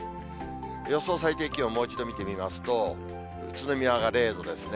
予想最低気温、もう一度見てみますと、宇都宮が０度ですね。